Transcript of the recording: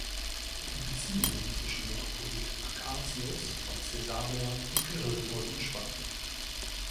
Die Beziehungen zwischen Metropolit Acacius von Cäsarea und Kyrill wurden gespannt.